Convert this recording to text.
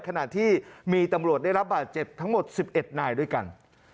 ขณะที่มีตำรวจได้รับบาดเจ็บทั้งหมด๑๑นายด้วยกัน